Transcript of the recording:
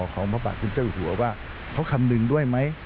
พระบาทคุณเจ้าอยู่หัวว่าเขาคำนึงด้วยไหม